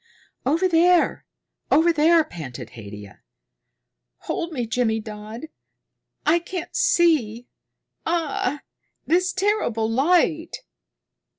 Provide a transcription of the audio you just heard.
"Over there over there," panted Haidia. "Hold me, Jimmydodd. I can't see. Ah, this terrible light!"